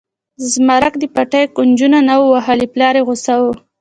زمرک د پټي کونجونه نه و وهلي پلار یې غوسه و.